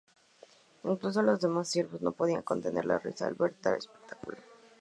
Incluso los demás siervos no podían contener la risa al ver tal espectáculo.